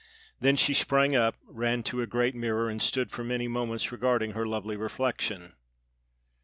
Then she sprang up, ran to a great mirror, and stood for many moments regarding her lovely reflection.